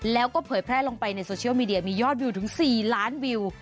แล้วก็เผยแพร่ลงไปในโซเชียลมีเดียมียอดวิวถึง๔ล้านวิว